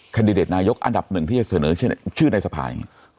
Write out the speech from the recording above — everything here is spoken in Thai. คันดีเดรชนายุกอันดับหนึ่งที่จะเสนอชื่อในสะพาย